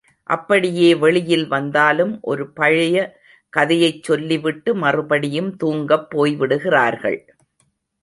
அப்படியே வெளியில் வந்தாலும் ஒரு பழைய கதையைச் சொல்லிவிட்டு மறுபடியும் தூங்கப் போய்விடுகிறார்கள்.